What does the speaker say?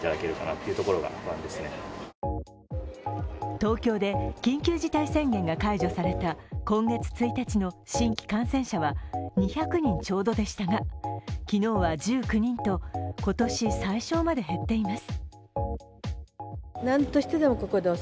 東京で緊急事態宣言が解除された今月１日の新規感染者は２００人ちょうどでしたが昨日は１９人と今年最少まで減っています。